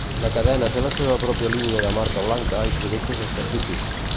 La cadena té la seva pròpia línia de marca blanca i productes específics.